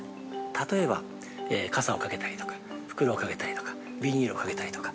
例えば、傘をかけたりとか袋をかけたりとか、ビニールをかけたりとか。